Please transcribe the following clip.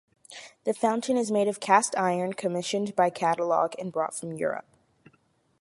The fountain is made of cast iron, commissioned by catalog and brought from Europe.